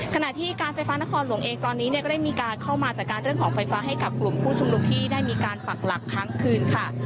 ขณะที่การไฟฟ้านครหลวงเองตอนนี้เนี่ยก็ได้มีการเข้ามาจัดการเรื่องของไฟฟ้าให้กับกลุ่มผู้ชุมนุมที่ได้มีการปักหลักค้างคืนค่ะ